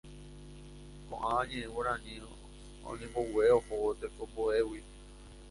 Koʼág̃a ñeʼẽ Guarani oñembogue ohóvo tekomboʼégui.